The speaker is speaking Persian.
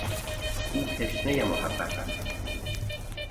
او تشنهی محبت است.